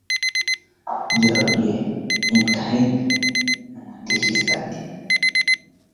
linakadiriwa kuwa na idadi ya watu milioni sita